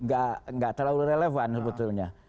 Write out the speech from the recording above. gak terlalu relevan sebetulnya